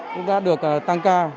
cũng đã được tăng ca